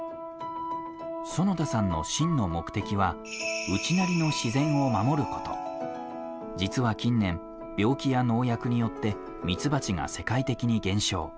園田さんの真の目的は実は近年病気や農薬によってミツバチが世界的に減少。